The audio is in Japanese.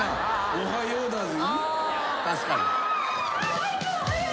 「おはようだぜ」